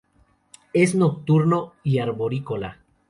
Es nocturno y arborícola.